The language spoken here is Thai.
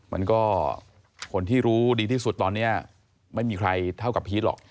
มันก็คนที่รู้ดีที่สุดตอนนี้ไม่มีใครเท่ากับพีชหรอก